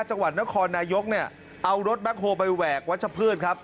จังหวัดนครนายกเอารถแม็กโฮไปแหวกวัดชะพื้นครับ